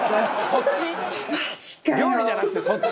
「料理じゃなくてそっち？」